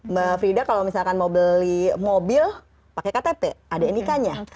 mbak frida kalau misalkan mau beli mobil pakai ktp ada nik nya